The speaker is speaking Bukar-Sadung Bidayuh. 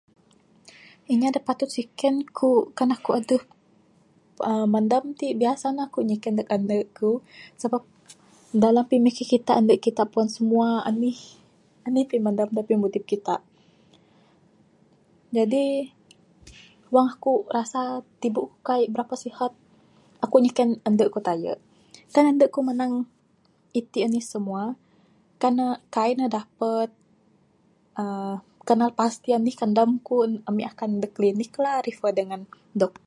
Inya da patut siken ku kan aku adeh uhh manam ti biasa ne aku nyiken neg ande ku sabab dalam pimikir kita ande kita puan simua anih...anih pimanam da pimudip kita... jdi wang aku rasa tibuk aku kaii birapa sihat aku nyiken ande ku taye...kan ande ku manang iti anih simua...kan ne kaii ne dapat uhh kenal pasti anih kanam ku ami akan neg klinik la refer dangan doktor.